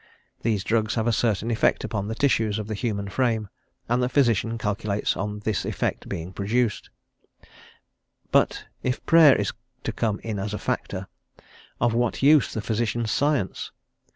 These drugs have a certain effect upon the tissues of the human frame, and the physician calculates on this effect being produced; but if Prayer is to come in as a factor, of what use the physician's science?